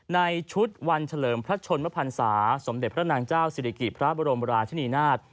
ในชุดวันเฉลิมพระชนมพันศาสมเด็จพระนางเจ้าศิริกิจพระบรมราชินีนาฏ